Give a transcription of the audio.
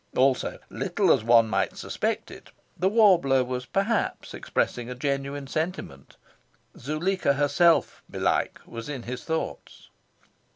Also, little as one might suspect it, the warbler was perhaps expressing a genuine sentiment. Zuleika herself, belike, was in his thoughts.